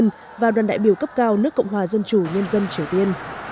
hãy đăng ký kênh để ủng hộ kênh của mình nhé